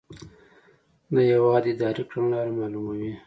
د هیواد اداري کړنلاره معلوموي.